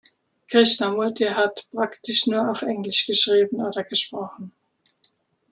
Krishnamurti hat praktisch nur auf Englisch geschrieben oder gesprochen.